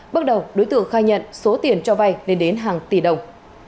bước đầu đối tượng khai nhận số tiền cho vay lên đến hàng tỷ đồng